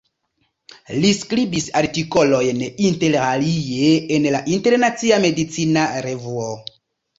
Li skribis artikolojn interalie en la Internacia Medicina Revuo.